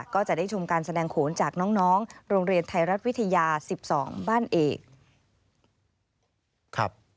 ก็จะได้ชมการแสดงโขนจากน้องโรงเรียนไทยรัฐวิทยา๑๒บ้านเอก